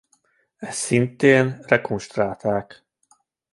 Ezt szintén rekonstruálták.